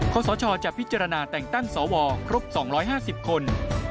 สชจะพิจารณาแต่งตั้งสวครบ๒๕๐คน